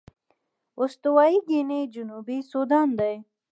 استوايي ګيني جنوبي سوډان دي.